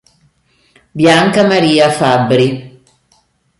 Bianca Maria Fabbri